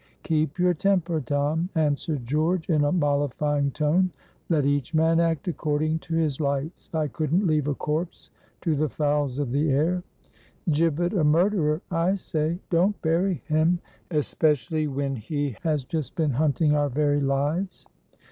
"Keep your temper, Tom," answered George, in a mollifying tone. "Let each man act according to his lights. I couldn't leave a corpse to the fowls of the air. "Gibbet a murderer, I say don't bury him; especially when he has just been hunting our very lives."